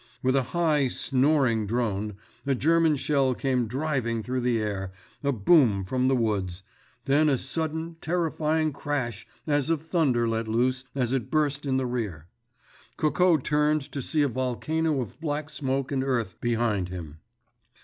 With a high, snoring drone, a German shell came driving through the air—a boom from the woods—then a sudden, terrifying crash as of thunder let loose as it burst in the rear. Coco turned to see a volcano of black smoke and earth behind him.